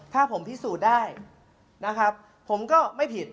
ถ้าผมพิสูจน์ได้ผมก็ไม่ผิด